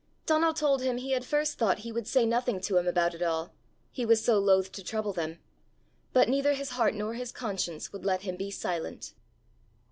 Donal told him he had first thought he would say nothing to him about it all, he was so loath to trouble them, but neither his heart nor his conscience would let him be silent.